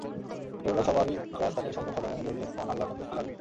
রোজাদার সবারই প্রয়াস থাকে সংযম সাধনের মধ্য দিয়ে মহান আল্লাহর সন্তুষ্টি লাভের।